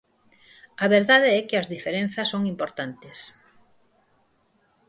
A verdade é que as diferenzas son importantes.